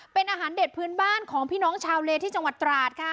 เป็นอาหารเด็ดพื้นบ้านของพี่น้องชาวเลที่จังหวัดตราดค่ะ